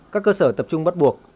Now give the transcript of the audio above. các cơ sở tập trung bắt buộc